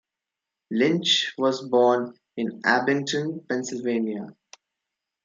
Lynch was born in Abington, Pennsylvania.